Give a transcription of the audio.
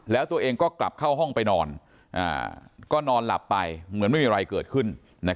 แล้วตัวเองก็กลับเข้าห้องไปนอนก็นอนหลับไปเหมือนไม่มีอะไรเกิดขึ้น